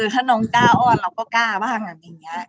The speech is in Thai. ถ้าน้องกล้าอ่อนเราก็กล้าบ้างอะ